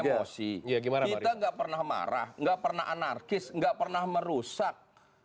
kita enggak pernah marah enggak pernah anarkis enggak pernah merusak